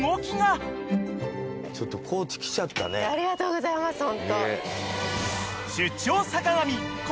ありがとうございますホント。